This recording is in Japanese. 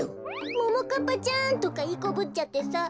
ももかっぱちゃんとかいいこぶっちゃってさ。